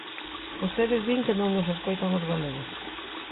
Vostedes din que non nos escoitan os galegos.